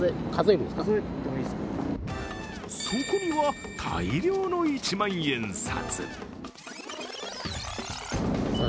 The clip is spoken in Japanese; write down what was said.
そこには大量の一万円札。